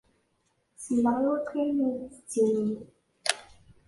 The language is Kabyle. Selleɣ i wakk ayen ay d-tettinimt.